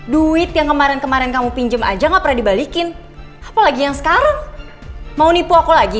duit yang kemarin kemarin kamu pinjam aja gak pernah dibalikin apalagi yang sekarang mau nipu aku lagi